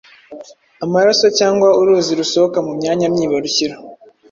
amaraso cyangwa uruzi rusohoka mu myanya myibarukiro